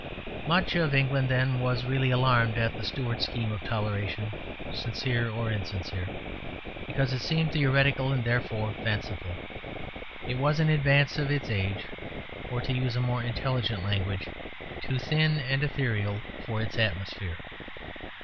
Much of England, then, was really alarmed at the Stuart scheme of toleration, sincere or insincere, because it seemed theoretical and therefore fanciful. It was in advance of its age or (to use a more intelligent language) too thin and ethereal for its atmosphere.